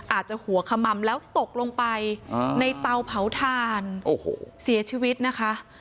อาจจะหัวขมัมแล้วตกลงไปในเตาเผาถ่านเสียชีวิตนะคะ